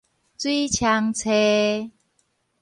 水沖泚